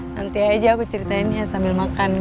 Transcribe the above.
nanti aja aku ceritainnya sambil makan